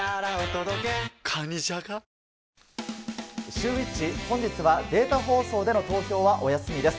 シューＷｈｉｃｈ、本日はデータ放送での投票はお休みです。